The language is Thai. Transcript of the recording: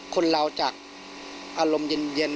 คนเราจากอารมณ์เย็น